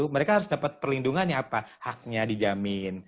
mereka mendapat perlindungan ya apa haknya dijamin